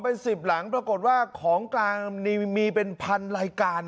เป็น๑๐หลังปรากฏว่าของกลางมีเป็นพันรายการ